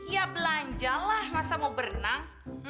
ya belanja lah masa mau berenang